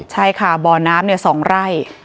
ใช่ค่ะบ่อน้ำเนี่ย๒ไร่